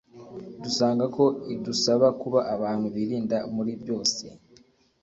dusanga ko idusaba kuba abantu birinda muri byose.